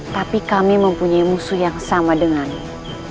tapi kami mempunyai musuh yang sama denganmu